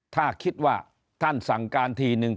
ถ้าคิดว่าท่านสั่งการทีนึง